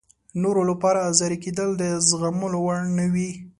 نورو لپاره ازاري کېدل د زغملو وړ نه وي.